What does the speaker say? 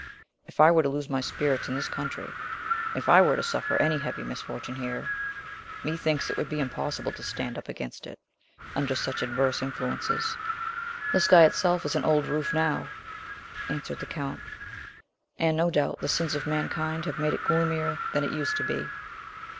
If I were to lose my spirits in this country, if I were to suffer any heavy misfortune here, methinks it would be impossible to stand up against it, under such adverse influences." "The sky itself is an old roof, now," answered the Count; "and, no doubt, the sins of mankind have made it gloomier than it used to be."